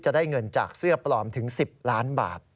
จะได้เงินจากเสื้อปลอมถึง๑๐ล้านบาท